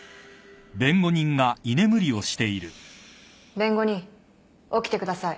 弁護人起きてください。